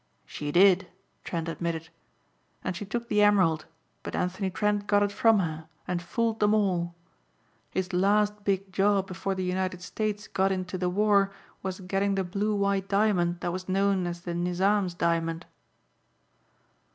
"She did," Trent admitted, "and she took the emerald but Anthony Trent got it from her and fooled them all. His last big job before the United States got into the war was getting the blue white diamond that was known as the Nizam's Diamond."